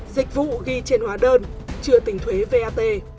dịch vụ ghi trên hóa đơn trừa tình thuế vat